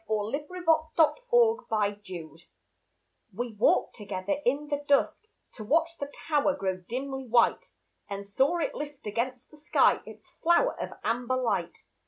The Metropolitan Tower We walked together in the dusk To watch the tower grow dimly white, And saw it lift against the sky Its flower of amber light.